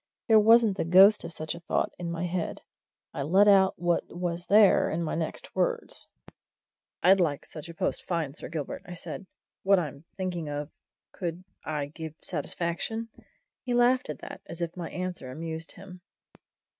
There wasn't the ghost of such a thought in my head I let out what was there in my next words. "I'd like such a post fine, Sir Gilbert," I said. "What I'm thinking of could I give satisfaction?" He laughed at that, as if my answer amused him.